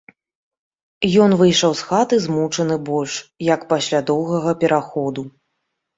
Ён выйшаў з хаты змучаны больш, як пасля доўгага пераходу.